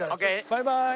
バイバイ！